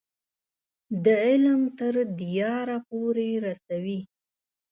د علم تر دیاره پورې رسوي.